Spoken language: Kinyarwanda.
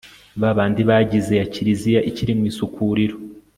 babandi bagize ya kiliziya ikiri mu isukuriro